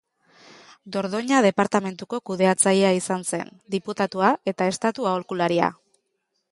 Dordoina departamenduko kudeatzailea izan zen, diputatua eta estatu-aholkularia.